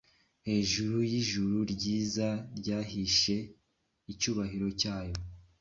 Hejuru yijuru ryiza ryahishe icyubahiro cyayo